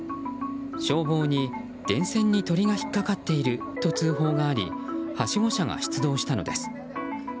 消防に電線に、鳥が引っ掛かっていると通報がありはしご車が出動したのです。